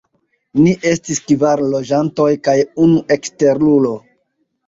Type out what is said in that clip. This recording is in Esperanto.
Ni estis kvar loĝantoj kaj unu eksterulo.